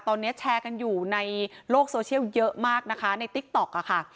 ตอนนี้แชร์กันอยู่ในโลกโซเชียลเยอะมากนะคะในติ๊กต๊อกอะค่ะ